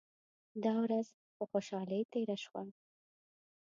دا ورځ په خوشالۍ تیره شوه.